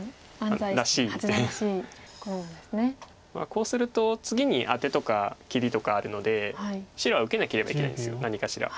こうすると次にアテとか切りとかあるので白は受けなければいけないんです何かしら。